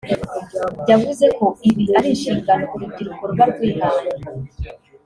yavuze ko ibi ari inshingano urubyiruko ruba rwihaye